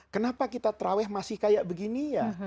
kenapa kita terawih masih kayak begini ya